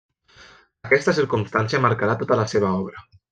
Aquesta circumstància marcarà tota la seva obra.